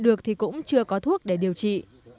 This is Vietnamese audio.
được thì cũng chưa có thuốc để điều trị